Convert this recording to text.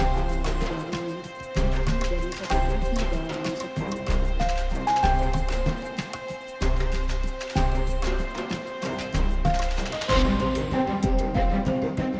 yang menurut saya adalah keterangan ibu putri candrawati